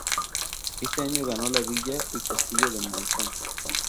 Este año ganó la villa y Castillo de Monzón.